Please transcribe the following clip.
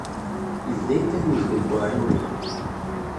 Yebda yekkat wejgu n uɛrur-iw.